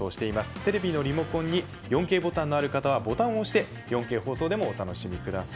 テレビのリモコンに４Ｋボタンのある方はボタンを押して４Ｋ放送でもお楽しみください。